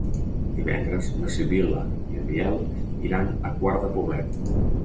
Divendres na Sibil·la i en Biel iran a Quart de Poblet.